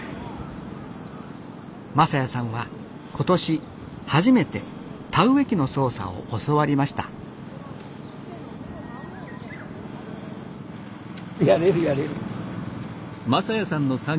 昌哉さんは今年初めて田植え機の操作を教わりましたやれるやれる。